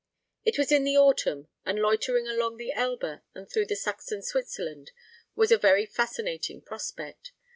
It was in the autumn, and loitering along the Elbe and through the Saxon Switzerland was a very fascinating prospect.